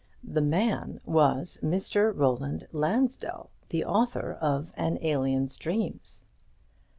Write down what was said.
The man was Mr. Roland Lansdell, the author of "An Alien's Dreams."